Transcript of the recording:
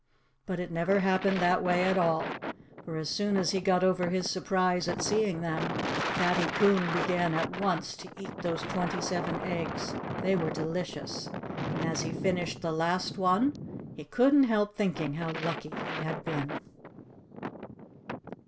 But it never happened that way at all. For as soon as he got over his surprise at seeing them, Fatty Coon began at once to eat those twenty seven eggs. They were delicious. And as he finished the last one he couldn't help thinking how lucky he had been.